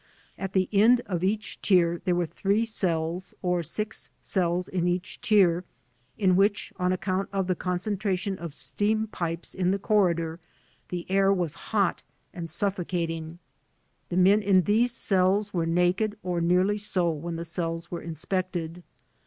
At the end of each tier there were three cells, or six cells in each tier, in which, on account of the concentra tion of steam pipes in the corridor, the air was hot and suffocating. The men in these cells were naked or nearly so when the cells were inspected.